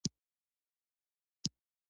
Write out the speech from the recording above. په پلورنځي کې د خلکو ګڼه ګوڼه زیاته وي.